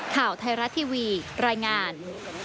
ข่าวไทยรัฐทีวีรายงาน